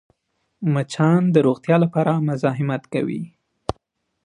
مچان د روغتیا لپاره مزاحمت کوي